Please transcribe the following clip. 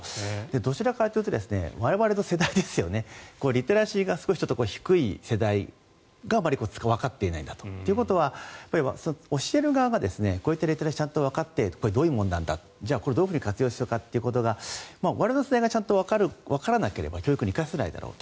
どちらかというと我々の世代リテラシーが少し低い世代があまりわかっていないんだということは、教える側がこういったリテラシーをちゃんとわかってどういうものなんだどういうふうに活用するかが我々の世代がちゃんとわからなければ教育に生かせないだろう。